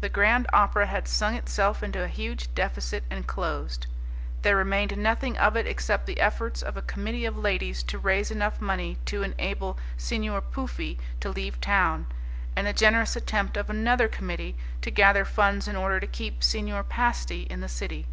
The Grand Opera had sung itself into a huge deficit and closed. There remained nothing of it except the efforts of a committee of ladies to raise enough money to enable Signor Puffi to leave town, and the generous attempt of another committee to gather funds in order to keep Signor Pasti in the City.